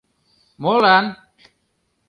Молан?!